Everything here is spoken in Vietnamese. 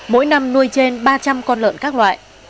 mỗi năm nuôi trên ba trăm linh con lợn các loại